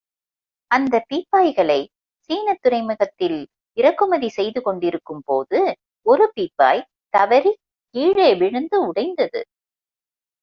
அந்த பீப்பாய்களை சீனத் துறைமுகத்தில் இறக்குமதி செய்து கொண்டிருக்கும்போது ஒரு பீப்பாய் தவறி கீழே விழுந்து உடைந்து.